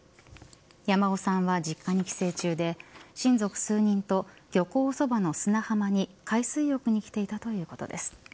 山尾さんは実家に帰省中で親族数人と漁港そばの砂浜に海水浴に来ていたということです。